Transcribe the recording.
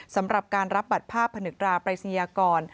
สำหรับการรับบัตรภาพผนึกราปรายศนียากร